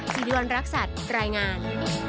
สิริวัณรักษัตริย์รายงาน